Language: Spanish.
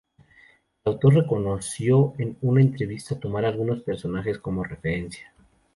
El autor reconoció en una entrevista tomar algunos personajes como referencia.